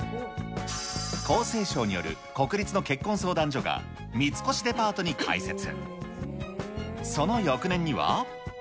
厚生省による国立の結婚相談所が三越デパートに開設。